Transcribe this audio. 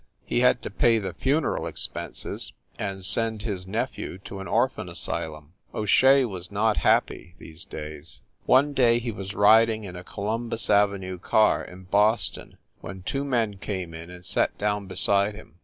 He had to pay the funeral expenses and send his nephew to an orphan asylum. O Shea was not happy, these days. One day he was riding in a Columbus Avenue car, in Boston, when two men came in and sat down be side him.